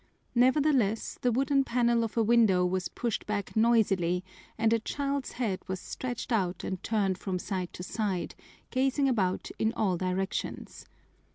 Nevertheless, the wooden panel of a window was pushed back noisily and a child's head was stretched out and turned from side to side, gazing about in all directions.